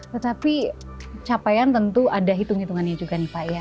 tetapi capaian tentu ada hitung hitungannya juga nih pak ya